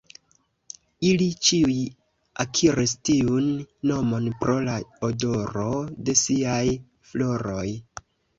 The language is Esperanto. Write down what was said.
Ili ĉiuj akiris tiun nomon pro la odoro de siaj floroj.